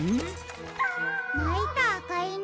「ないたあかいぬ」？